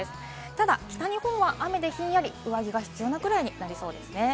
ただ北日本は雨でひんやり、上着が必要なくらいになりそうですね。